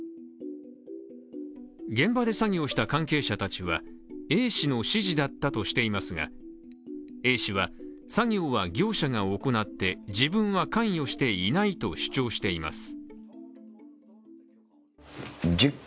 現場で作業した関係者たちはＡ氏の指示だったとしていますがＡ氏は作業は業者が行って自分は関与していないと主張しています。